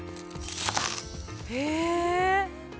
へえ！